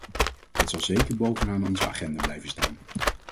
Het zal zeker bovenaan onze agenda blijven staan.